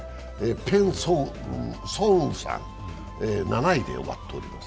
ペ・ソンウさん７位で終わっております。